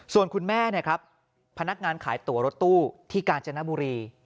ส่วนคุณแม่พนักงานขายตั๋วรถตู้ที่กาญจนบุรี